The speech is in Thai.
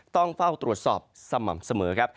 ต้องเฝ้าตรวจสอบสม่ำเสมอครับ